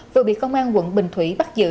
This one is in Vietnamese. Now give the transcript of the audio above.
vừa bị công an quận bình thủy bắt giữ